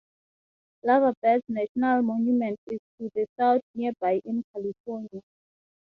Lava Beds National Monument is to the south, nearby in California.